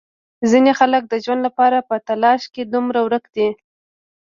ځینې خلک د ژوند لپاره په تلاش کې دومره ورک دي.